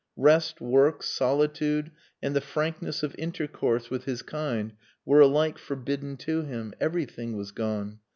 Rest, work, solitude, and the frankness of intercourse with his kind were alike forbidden to him. Everything was gone.